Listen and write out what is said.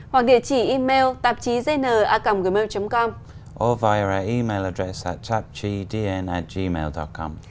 hoặc địa chỉ email tạp chí znacomgmail com